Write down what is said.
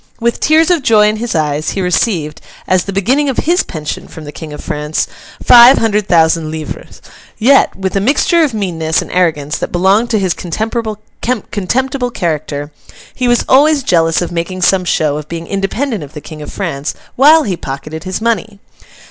With tears of joy in his eyes, he received, as the beginning of his pension from the King of France, five hundred thousand livres; yet, with a mixture of meanness and arrogance that belonged to his contemptible character, he was always jealous of making some show of being independent of the King of France, while he pocketed his money.